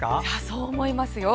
そう思いますよ。